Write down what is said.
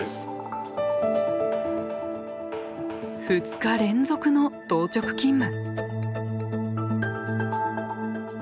２日連続の当直勤務。